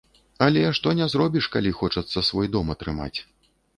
Але што не зробіш, калі хочацца свой дом атрымаць.